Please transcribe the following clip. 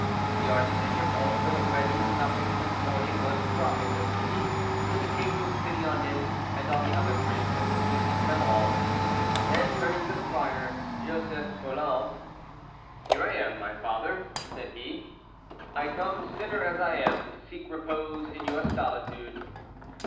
The archbishop also, who had eaten nothing since morning, was dropping with fatigue, so the king took pity on him and on the other priests and dismissed them all. Then, turning to the prior, Joseph Foulon, "Here I am, my father," said he; "I come, sinner as I am, to seek repose in your solitude."